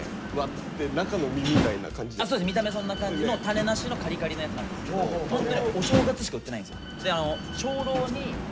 そうです見た目そんな感じの種なしのカリカリのやつなんですけどホントにお正月しか売ってないんですよ。